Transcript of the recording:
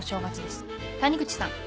谷口さん